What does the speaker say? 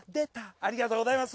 ありがとうございます！